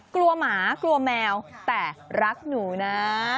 หมากลัวแมวแต่รักหนูนะ